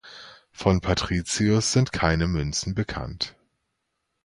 Von Patricius sind keine Münzen bekannt.